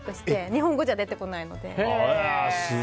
日本語じゃ出てこないので。